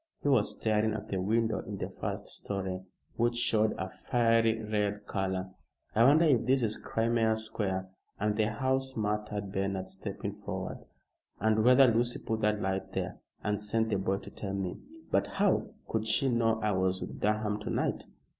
He was staring at the window in the first storey, which showed a fiery red color. "I wonder if this is Crimea Square and the house," muttered Bernard, stepping forward. "And whether Lucy put that light there, and sent the boy to tell me. But how could she know I was with Durham to night?"